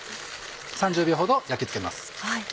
３０秒ほど焼き付けます。